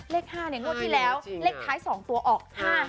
เลข๕งวดที่แล้วเลขท้าย๒ตัวออก๕๕